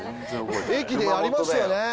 駅でやりましたよね。